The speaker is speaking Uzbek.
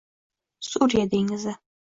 Suriya dengizi